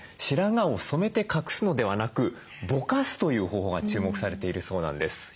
白髪を染めて隠すのではなくぼかすという方法が注目されているそうなんです。